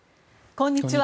こんにちは。